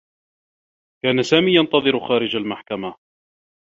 كان سامي ينتظر خارج المحكمة.